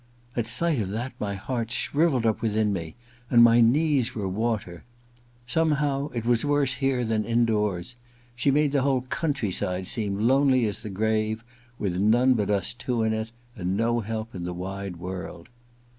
At sight of that my heart shrivelled up within me and my knees were water. Somehow it was worse here than indoors. She made the whole countryside seem K IV THE LADY'S MAID'S BELL 151 lonely as the grave, with none but us two in it, and no help in the wide world.